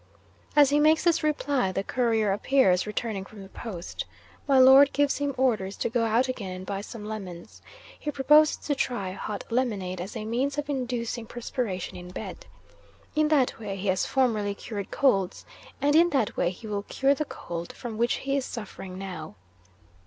'As he makes this reply, the Courier appears, returning from the post. My Lord gives him orders to go out again and buy some lemons. He proposes to try hot lemonade as a means of inducing perspiration in bed. In that way he has formerly cured colds, and in that way he will cure the cold from which he is suffering now.